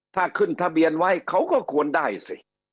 ถ้าขึ้นทะเบียนไว้เขาก็ควรได้สิ